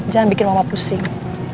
jangan bikin mama pusing